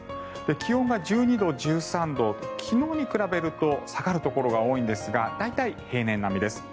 気温が１２度、１３度昨日に比べると下がるところが多いんですが大体、平年並みです。